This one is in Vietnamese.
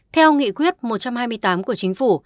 theo nghị quyết một trăm hai mươi tám của chính phủ